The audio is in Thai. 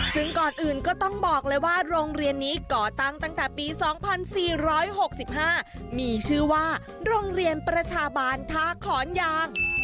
ซึ่งก่อนอื่นก็ต้องบอกเลยว่าโรงเรียนนี้ก่อตั้งตั้งแต่ปีสองพันสี่ร้อยหกสิบห้ามีชื่อว่าโรงเรียนประชาบานทาขอนยาง